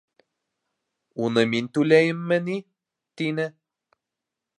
— Уны мин түләйемме ни? — тине.